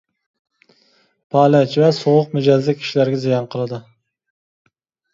پالەچ ۋە سوغۇق مىجەزلىك كىشىلەرگە زىيان قىلىدۇ.